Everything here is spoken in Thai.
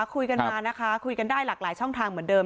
คุยกันมานะคะคุยกันได้หลากหลายช่องทางเหมือนเดิม